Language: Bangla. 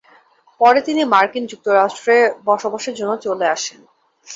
পরে তিনি মার্কিন যুক্তরাষ্ট্রে বসবাসের জন্য চলে আসেন।